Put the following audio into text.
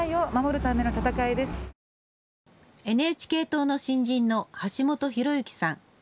ＮＨＫ党の新人の橋本博幸さん。